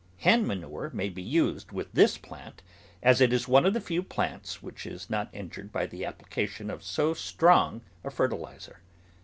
Hen manure may be used with this plant, as it is one of the few plants which is not injured by the application of so strong a fer tiliser.